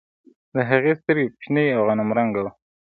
د هغې سترګې کوچنۍ او غنم رنګه وه.